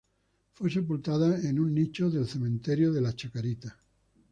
Fue sepultada en un nicho del Cementerio de la Chacarita.